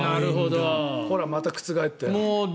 ほら、また覆ったよ。